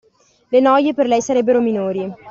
Le noie per lei sarebbero minori.